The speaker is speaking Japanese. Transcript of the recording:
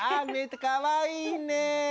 かわいいね。